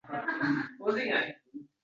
Vaqt shunday ham o’tadi